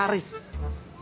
itu harusnya diharis